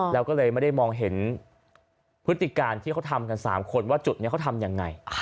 แล้วก็เลยไม่ได้มองเห็นพฤติการที่เขาทำกัน๓คนว่าจุดนี้เขาทำยังไง